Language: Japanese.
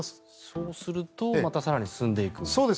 そうするとまた更に進んでいく。